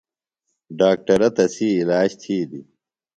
ڈاکٹرہ تسی عِلاج تِھیلیۡ۔